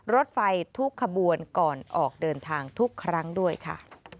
รถไฟทุกขบวนก่อนออกเดินทางทุกครั้งด้วยค่ะ